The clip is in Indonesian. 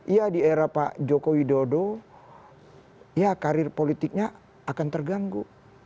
ya di era pak joko widodo ya karir politiknya akan terganggu